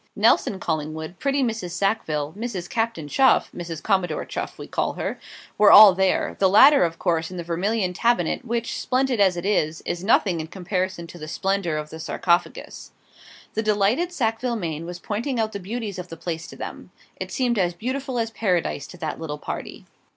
Nelson Collingwood; pretty Mrs. Sackville; Mrs. Captain Chuff (Mrs. Commodore Chuff we call her), were all there; the latter, of course, in the vermilion tabinet, which, splendid as it is, is nothing in comparison to the splendour of the 'Sarcophagus.' The delighted Sackville Maine was pointing out the beauties of the place to them. It seemed as beautiful as Paradise to that little party.